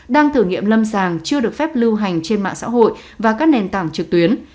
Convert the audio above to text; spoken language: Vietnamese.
đang thử nghiệm lâm sàng chưa được phép lưu hành trên mạng xã hội và các nền tảng trực tuyến